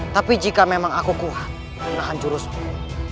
tapi jika memang aku kuat menahan jurusmu